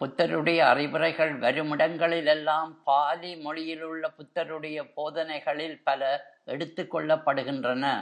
புத்தருடைய அறிவுரைகள் வருமிடங்களில் எல்லாம் பாலிமொழியிலுள்ள புத்தருடைய போதனைகளில் பல எடுத்துக் கொள்ளப்படுகின்றன.